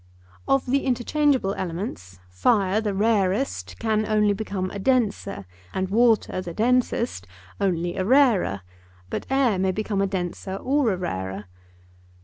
Of the interchangeable elements, fire, the rarest, can only become a denser, and water, the densest, only a rarer: but air may become a denser or a rarer.